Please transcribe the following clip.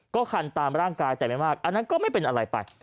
ก็คันตามร่างกายแต่ไม่มากอันนั้นก็ไม่เป็นอะไรไป